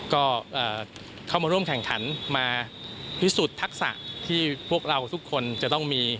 ก็เข้ามาร่วมแข่งขันมาพิสูจน์ทักษะที่พวกเราทุกคนจะต้องมี